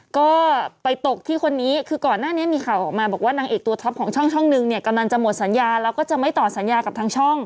ก็ไปตกที่คนนี้คือก่อนหน้านี้มีข่าวออกมาบอกว่านางเอกตัวท็อปของช่องหนึ่งเนี่ยกำลังจะหมดสัญญาแล้วก็จะไม่ต่อสัญญากับทางช่อง